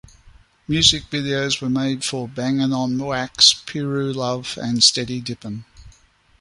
Music videos were made for "Bangin' on Wax", "Piru Love" and "Steady Dippin"'.